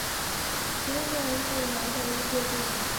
皮斯河被认为是马更些河水系的正源。